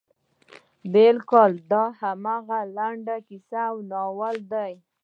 بلکې دا همغه لنډه کیسه او ناول ده.